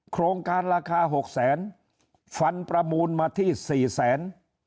โครงการราคาหกแสนฟันประมูลมาที่สี่แสน